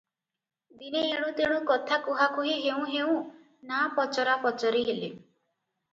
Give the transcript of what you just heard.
ଦିନେ ଏଣୁ ତେଣୁ କଥା କୁହାକୁହି ହେଉଁ ହେଉଁ ନା' ପଚରାପଚରି ହେଲେ ।